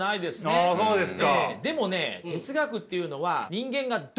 ほうそうですか。